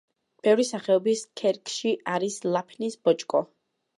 ბევრი სახეობის ქერქში არის ლაფნის ბოჭკო.